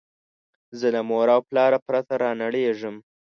زه له موره او پلاره پرته رانړېږم